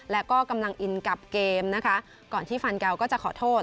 และกำลังอินกับเกมก่อนที่ฟันเกาก็จะขอโทษ